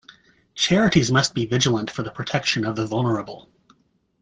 Charities must be vigilant for the protection of the vulnerable.